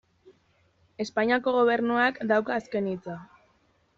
Espainiako Gobernuak dauka azken hitza.